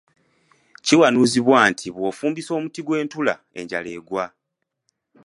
Kiwanuuzibwa nti bw'ofumbisa omuti gw'entula enjala egwa.